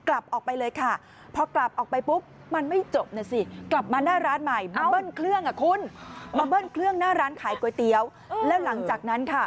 ร้านขายก๋วยเตี๋ยวแล้วหลังจากนั้นค่ะ